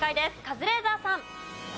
カズレーザーさん。